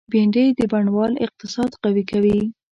بېنډۍ د بڼوال اقتصاد قوي کوي